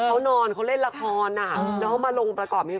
เขานอนเขาเล่นละครอ่ะแล้วมาลงประกอบนี้